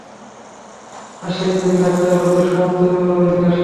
আশাকেনবীন-ডাক্তার রোগের সমস্ত বিবরণ জিজ্ঞাসা করিল।